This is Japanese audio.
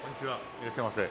いらっしゃいませ。